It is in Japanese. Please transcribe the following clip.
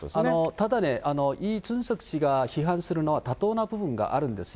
ただ、イ・ジュンソク氏が批判するのは妥当な部分があるんですよ。